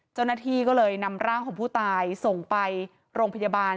เจ้าหน้าที่ก็เลยนำร่างของผู้ตายส่งไปโรงพยาบาล